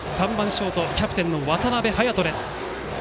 ショートキャプテンの渡邊颯人です。